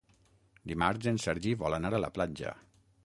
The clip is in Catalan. Dimarts en Sergi vol anar a la platja.